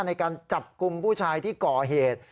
ในการจับกลุ่มผู้ชายที่ก่อเหตุ